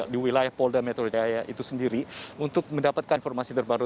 di wilayah polda metro jaya itu sendiri untuk mendapatkan informasi terbaru